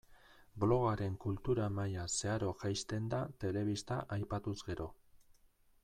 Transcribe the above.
Blogaren kultura maila zeharo jaisten da telebista aipatuz gero.